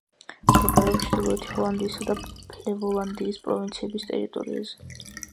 მდებარეობს ჩრდილოეთი ჰოლანდიისა და ფლევოლანდის პროვინციების ტერიტორიაზე.